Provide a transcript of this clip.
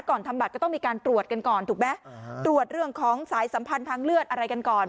ทำบัตรก็ต้องมีการตรวจกันก่อนถูกไหมตรวจเรื่องของสายสัมพันธ์ทางเลือดอะไรกันก่อน